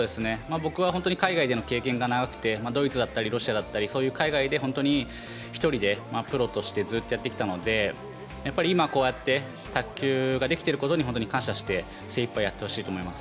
僕は海外での経験が長くてドイツだったりロシアだったり海外で１人でプロとしてずっとやってきたので今、こうやって卓球ができていることに本当に感謝して精いっぱいやってほしいと思います。